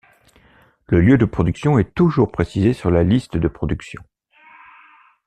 Le lieu de production est toujours précisé sur la liste de production.